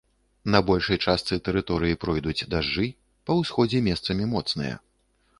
На большай частцы тэрыторыі пройдуць дажджы, па ўсходзе месцамі моцныя.